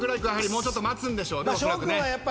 もうちょっと待つんでしょうおそらくね。